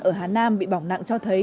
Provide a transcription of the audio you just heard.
ở hà nam bị bỏng nặng cho thấy